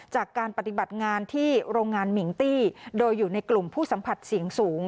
จากการปฏิบัติงานที่โรงงานมิงตี้โดยอยู่ในกลุ่มผู้สัมผัสเสี่ยงสูง